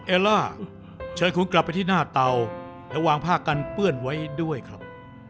ล่าเชิญคุณกลับไปที่หน้าเตาและวางผ้ากันเปื้อนไว้ด้วยครับ